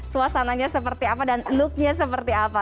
suasananya seperti apa dan looknya seperti apa